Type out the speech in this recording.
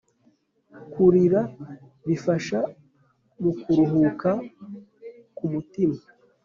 Kurira bifasha mukuruhuka ku mutima